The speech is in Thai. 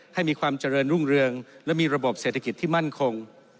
ให้มีความเจริญรุ่งเรืองและมีระบบเศรษฐกิจที่มั่นคง